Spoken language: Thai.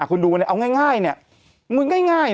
คุณดูว่าแง่เนี่ย